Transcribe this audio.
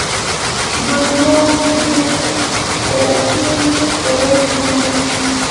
kigonygony kurget koyatyi chorwet nyii